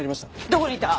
どこにいた？